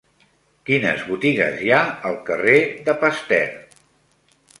Quines botigues hi ha al carrer de Pasteur?